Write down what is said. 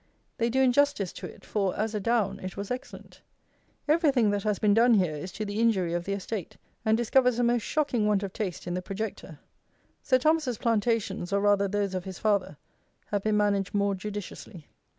They do injustice to it; for, as a down, it was excellent. Everything that has been done here is to the injury of the estate, and discovers a most shocking want of taste in the projector. Sir Thomas's plantations, or, rather, those of his father, have been managed more judiciously.